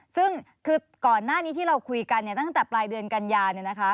ซึ่งคือก่อนหน้านี้ที่เราคุยกันตั้งแต่ปลายเดือนกันยา